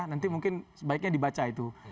nanti mungkin sebaiknya dibaca itu